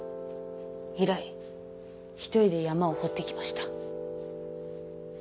以来一人で山を掘ってきました。